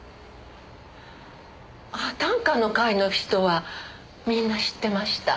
短歌の会の人はみんな知ってました。